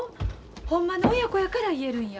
ほんまの親子やから言えるんや。